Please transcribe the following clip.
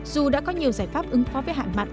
dù đã có nhiều giải pháp ứng phó với hạn mặn